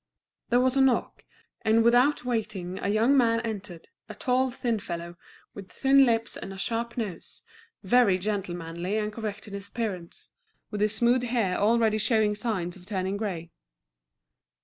There was a knock, and without waiting, a young man entered, a tall, thin fellow, with thin lips and a sharp nose, very gentlemanly and correct in his appearance, with his smooth hair already showing signs of turning grey.